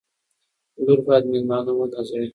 لور باید مېلمه ونازوي.